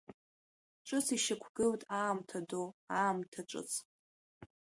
Ҿыц ишьақәгылт Аамҭа ду, Аамҭа ҿыц.